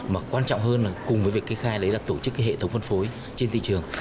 mà quan trọng hơn là cùng với việc kê khai đấy là tổ chức cái hệ thống phân phối trên thị trường